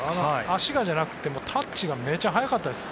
足がじゃなくてタッチがめちゃ速かったです。